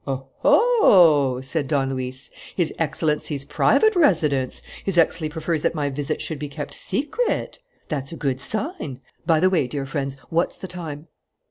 "Oho!" said Don Luis. "His Excellency's private residence! His Excellency prefers that my visit should be kept secret. That's a good sign. By the way, dear friends, what's the time?"